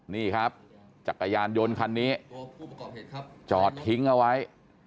นี่ครับจักรยานยนต์คันนี้จอดทิ้งเอาไว้